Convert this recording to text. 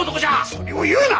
それを言うな！